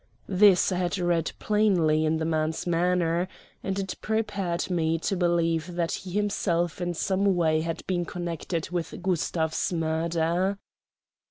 This I had read plainly in the man's manner, and it prepared me to believe that he himself in some way had been connected with Gustav's murder.